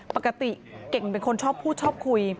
ปกติเก่งเป็นคนชอบพูดชอบคุย